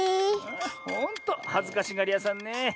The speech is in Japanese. ほんとはずかしがりやさんねえ。